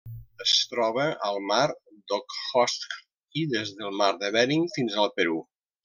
Es troba al Mar d'Okhotsk i des del Mar de Bering fins al Perú.